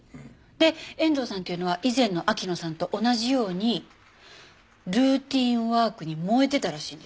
で遠藤さんっていうのは以前の秋野さんと同じようにルーティンワークに燃えてたらしいんですね。